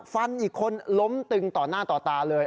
ฟันอีกคนล้มตึงต่อหน้าต่อตาเลย